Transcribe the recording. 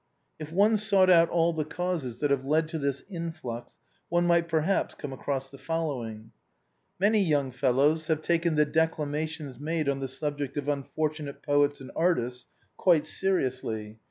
If one sought out all the causes that have led to this in flux, one might perhaps come across the following: Many young fellows have taken the declamations made on the subject of unfortunate poets and artists quite seriously.